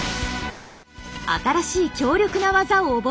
新しい強力な技を覚えた。